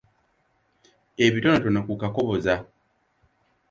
Ebitonotono ku Kakoboza.